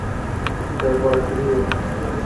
Wê bar kiriye.